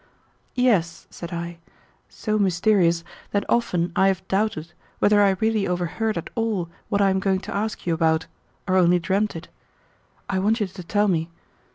"Yes," said I, "so mysterious that often I have doubted whether I really overheard at all what I am going to ask you about, or only dreamed it. I want you to tell me.